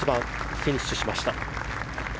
フィニッシュしました。